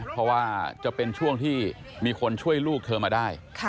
เพราะว่าจะเป็นช่วงที่มีคนช่วยลูกเธอมาได้